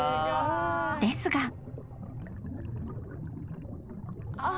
［ですが］